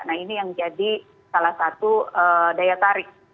nah ini yang jadi salah satu daya tarik